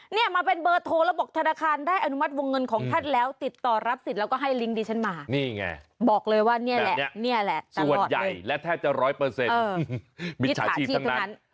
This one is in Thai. นี่แหละนี่แหละส่วนใหญ่และแทบจะ๑๐๐มีชาชีพทั้งนั้น